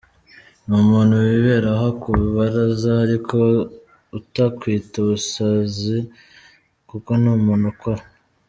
Ni umuntu wibera aho ku ibaraza ariko utakwita umusazi kuko ni umuntu ukora.